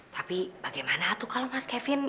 tapi bagaimana tuh kalau mas kevin